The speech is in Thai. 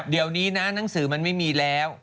เดี๋ยวนี้นะหนังสือมันไม่มีแล้ว